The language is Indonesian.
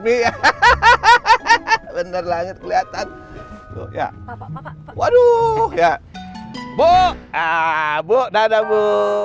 iya hahaha bener banget kelihatan ya waduh ya bu bu dadah bu